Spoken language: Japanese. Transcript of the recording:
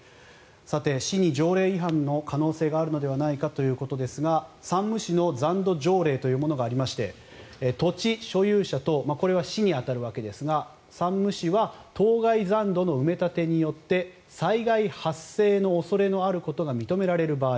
市に条例違反の可能性があるのではないかということですが山武市の残土条例というものがありまして土地所有者等これは市に当たるわけですが山武市は当該残土の埋め立てによって災害発生の恐れのあることが認められる場合